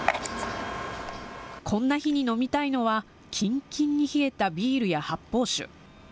こんな日に飲みたいのは、きんきんに冷えたビールや発泡酒。